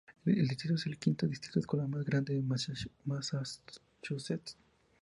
El distrito es el quinto distrito escolar más grande de Massachusetts.